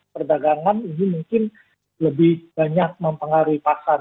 perdagangan ini mungkin lebih banyak mempengaruhi pasar